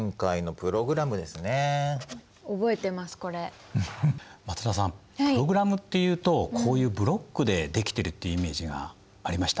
プログラムっていうとこういうブロックで出来てるってイメージがありました？